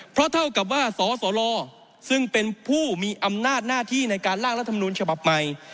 เพราะเท่ากับว่าสสลซึ่งเป็นผู้มีอำนาจหน้าที่ในการล่างรัฐมนูลฉบับใหม่